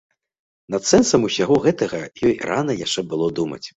Над сэнсам усяго гэтага ёй рана яшчэ было думаць.